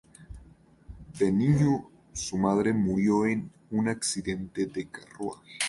De niño, su madre murió en un accidente de carruaje.